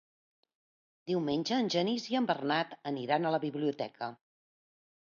Diumenge en Genís i en Bernat aniran a la biblioteca.